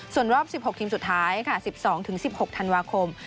ส่วนรอบ๑๖ทีมสุดท้ายค่ะ๑๒๑๖ธันวาคม